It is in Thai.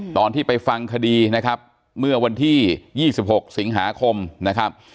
ตอนที่ไปฟังคดีนะครับเมื่อวันที่๒๖สิงหาคมนะครับ